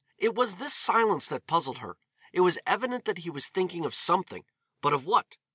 It was this silence that puzzled her. It was evident that he was thinking of something, but of what?